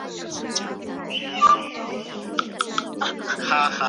延吉街道党建